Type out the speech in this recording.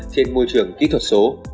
trên môi trường kỹ thuật số